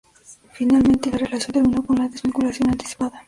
Finalmente, la relación terminó con la desvinculación anticipada.